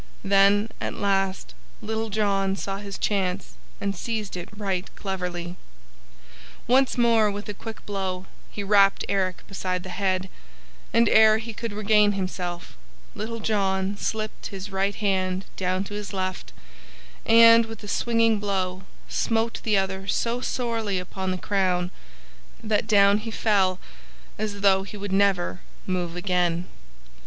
Then at last Little John saw his chance and seized it right cleverly. Once more, with a quick blow, he rapped Eric beside the head, and ere he could regain himself, Little John slipped his right hand down to his left and, with a swinging blow, smote the other so sorely upon the crown that down he fell as though he would never move again.